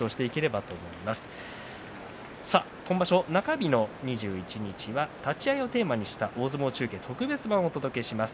今場所の中日、２１日は立ち合いをテーマにした大相撲中継特別版をお届けします。